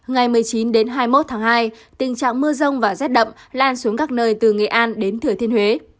ngày một mươi chín hai mươi một tháng hai tình trạng mưa rông và rét đậm lan xuống các nơi từ nghệ an đến thừa thiên huế